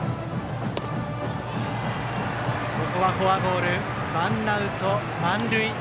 フォアボール、ワンアウト満塁。